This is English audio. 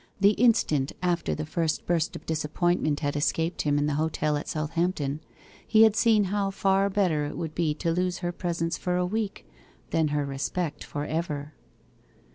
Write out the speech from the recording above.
The instant after the first burst of disappointment had escaped him in the hotel at Southampton, he had seen how far better it would be to lose her presence for a week than her respect for ever.